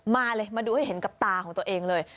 มาเลยมาดูให้เห็นกับตาของตัวเองเลย